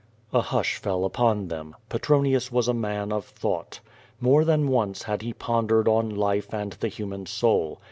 A hush fell upon them. Petronius was a man of thought. QUO VADI8. 231 More than once had he pondered on life and the human soul.